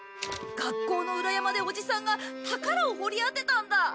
学校の裏山でおじさんが宝を掘り当てたんだ。